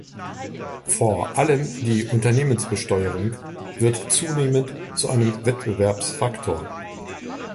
Vor allem die Unternehmensbesteuerung wird zunehmend zu einem Wettbewerbsfaktor.